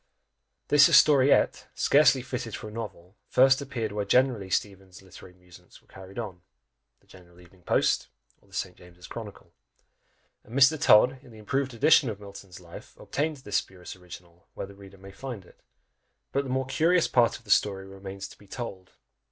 This historiette, scarcely fitted for a novel, first appeared where generally Steevens's literary amusements were carried on, in the General Evening Post, or the St. James's Chronicle: and Mr. Todd, in the improved edition of Milton's Life, obtained this spurious original, where the reader may find it; but the more curious part of the story remains to be told.